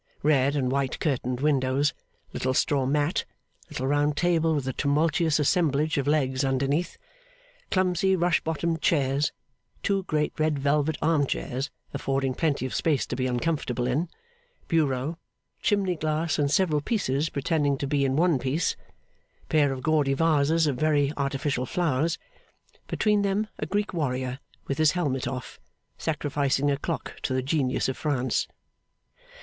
Red and white curtained windows, little straw mat, little round table with a tumultuous assemblage of legs underneath, clumsy rush bottomed chairs, two great red velvet arm chairs affording plenty of space to be uncomfortable in, bureau, chimney glass in several pieces pretending to be in one piece, pair of gaudy vases of very artificial flowers; between them a Greek warrior with his helmet off, sacrificing a clock to the Genius of France.